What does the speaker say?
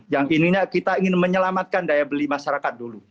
yang ininya kita ingin menyelamatkan daya beli masyarakat dulu